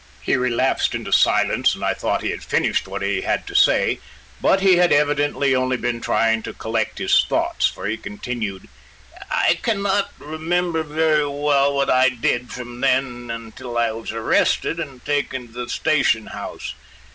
He relapsed into silence and I thought he had finished what he had to say, but he had evidently only been trying to collect his thoughts, for he continued: "I cannot remember very well what I did from then until I was arrested and taken to the station house.